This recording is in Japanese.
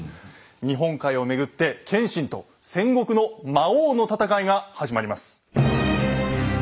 日本海をめぐって謙信と戦国の魔王の戦いが始まります。